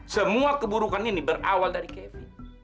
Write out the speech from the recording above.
semua keburukan ini berawal dari kevin